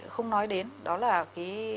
không nói đến đó là cái